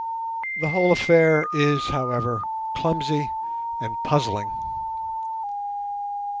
The whole affair is, however, clumsy and puzzling.